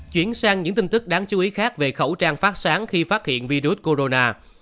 chuyển sang những tin tức đáng chú ý khác về khẩu trang phát sáng khi phát hiện virus corona